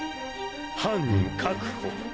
犯人確保。